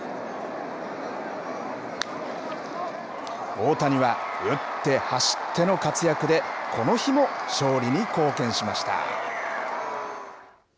大谷は、打って、走っての活躍で、この日も勝利に貢献しました。